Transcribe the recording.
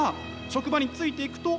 職場についていくと。